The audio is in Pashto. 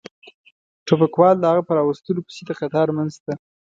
ټوپکوال د هغه په را وستلو پسې د قطار منځ ته.